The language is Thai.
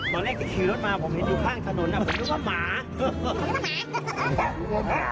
ตอนเรียกจะขึ้นรถมาผมเห็นอยู่ข้างถนนผมรู้ว่าหมา